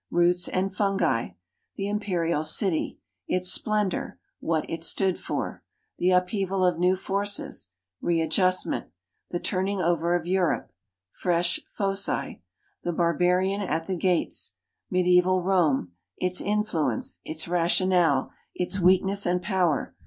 Roots and fungi.' The Imperial City : its splendor; what it stood for. The upheaval of new forces. Readjustment. The turning over of Europe. Fresh foci. The bar])arian at the gates. IMedijcval Rome. Its influence. Its rationale. Its weakness and power.